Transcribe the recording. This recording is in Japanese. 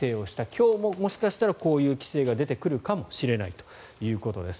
今日ももしかしたらこういう規制が出てくるかもしれないということです。